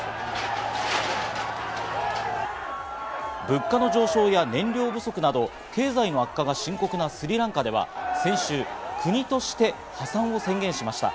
物価の上昇や燃料不足など経済の悪化が深刻なスリランカでは先週、国として破産を宣言しました。